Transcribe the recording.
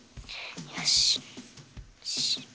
よし。